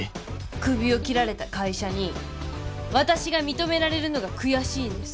クビを切られた会社に私が認められるのが悔しいんです。